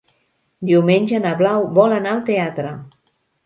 Diumenge na Blau vol anar al teatre.